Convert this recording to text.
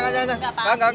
gak gak gak